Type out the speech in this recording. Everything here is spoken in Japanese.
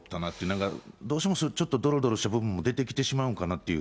なんか、どうしてもそれ、ちょっとどろどろした部分が出てきてしまうのかなっていう。